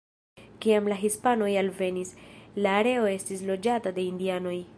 Kiam la hispanoj alvenis, la areo estis loĝata de indianoj.